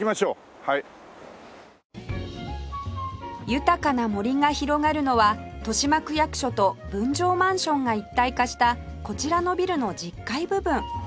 豊かな森が広がるのは豊島区役所と分譲マンションが一体化したこちらのビルの１０階部分